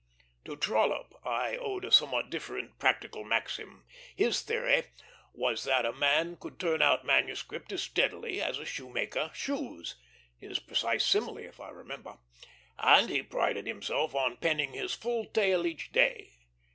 To Trollope I owed a somewhat different practical maxim. His theory Was that a man could turn out manuscript as steadily as a shoemaker shoes his precise simile, if I remember; and he prided himself on penning his full tale each day.